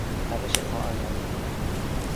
روش خائنانه